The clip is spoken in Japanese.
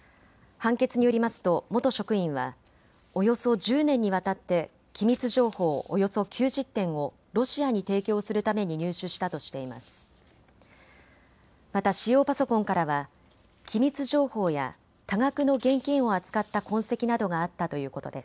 判決によりますと元職員はおよそ１０年にわたって機密情報、およそ９０点をロシアに提供するために入手したとしています。